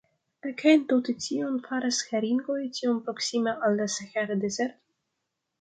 Kaj entute kion faras haringoj tiom proksime al la Sahara dezerto?